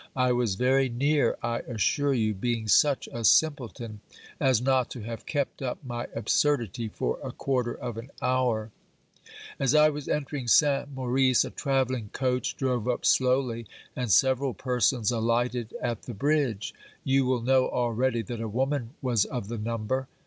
I was very near, I assure you, being such a simpleton as not to have kept up my absurdity for a quarter of an hour. OBERMANN 35 As I was entering Saint Maurice a travelling coach drove up slowly and several persons alighted at the bridge. You will know already that a woman was of the number.